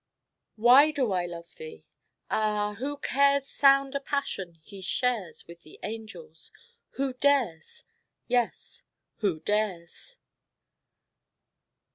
Why do I love thee? Ah, who cares Sound a passion he shares With the angels? Who dares, Yes, who dares?